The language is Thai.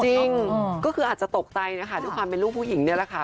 จริงก็คืออาจจะตกใจนะคะด้วยความเป็นลูกผู้หญิงนี่แหละค่ะ